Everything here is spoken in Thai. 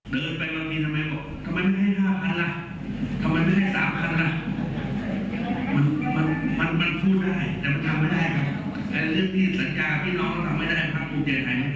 ตอนนี้ผมเชื่อตัวเอง